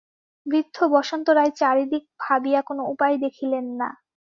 বৃদ্ধ বসন্ত রায় চারিদিক ভাবিয়া কোনো উপায় দেখিলেন না।